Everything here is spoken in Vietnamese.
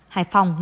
hải phòng một